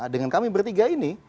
dengan kami bertiga ini